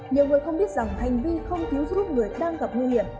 nhiều người không biết rằng hành vi không cứu giúp người đang gặp nguy hiểm